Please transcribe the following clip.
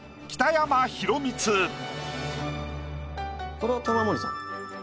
これは玉森さん。